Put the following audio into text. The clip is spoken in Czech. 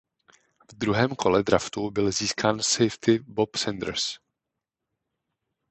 V druhém kole draftu byl získán safety Bob Sanders.